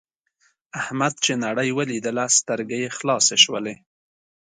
احمد چې نړۍ ولیدله سترګې یې خلاصې شولې.